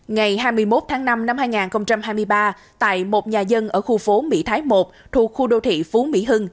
ngày hai mươi một tháng năm năm hai nghìn hai mươi ba tại một nhà dân ở khu phố mỹ thái một thuộc khu đô thị phú mỹ hưng